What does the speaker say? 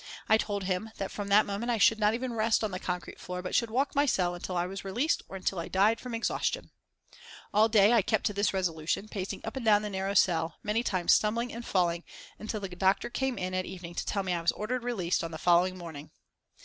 I told him that from that moment I should not even rest on the concrete floor, but should walk my cell until I was released or until I died from exhaustion. All day I kept to this resolution, pacing up and down the narrow cell, many times stumbling and falling, until the doctor came in at evening to tell me that I was ordered released on the following morning.